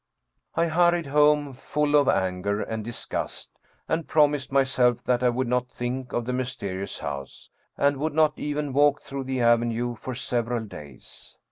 I hurried home full of anger and disgust, and promised myself that I would not think of the mysterious house, and would not even walk through the avenue for several days.